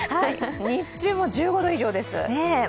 日中も１５度以上です。